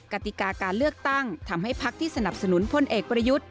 กติกาการเลือกตั้งทำให้พักที่สนับสนุนพลเอกประยุทธ์